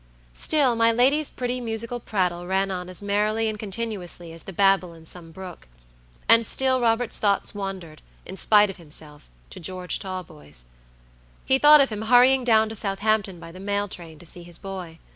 Still my lady's pretty musical prattle ran on as merrily and continuously as the babble in some brook; and still Robert's thoughts wandered, in spite of himself, to George Talboys. He thought of him hurrying down to Southampton by the mail train to see his boy.